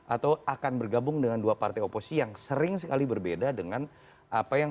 atau akan bergabung dengan dua partai oposisi yang sering sekali berbeda dengan apa yang